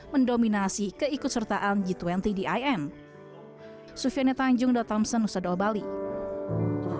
mendominasi keikut sertaan g dua puluh di im